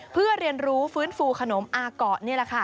เพื่อเรียนรู้ฟื้นฟูขนมอาเกาะนี่แหละค่ะ